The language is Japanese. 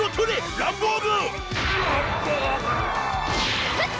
ランボーグ！